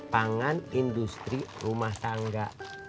pangan industri rumah sangga